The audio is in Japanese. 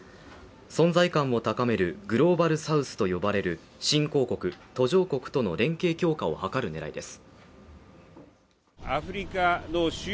存在感を高めるグローバルサウスと呼ばれる新興国・途上国との連携強化を図る狙いです。